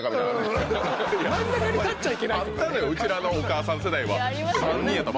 あったのようちらのお母さん世代は。